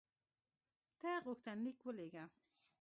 ته غوښتنلیک ولېږه.